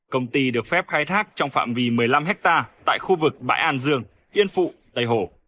công ty được phép khai thác trong phạm vi một mươi năm hectare tại khu vực bãi an dương yên phụ tây hồ